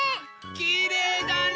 きれいだね！